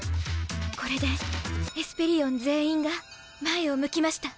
これでエスペリオン全員が前を向きました。